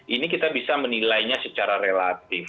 ini kita bisa menilainya secara relatif